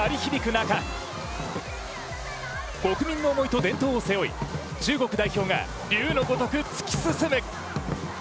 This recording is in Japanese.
中国民の思いと伝統を背負い中国代表が龍のごとく突き進む。